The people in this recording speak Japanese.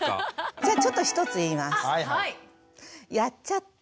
じゃあちょっと一つ言います。